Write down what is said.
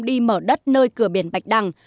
đi mở đất nơi cửa biển bạch đằng